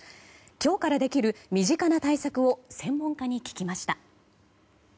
今日からできる身近な対策を専門家に聞きました。